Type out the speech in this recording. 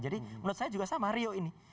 jadi menurut saya juga sama rio ini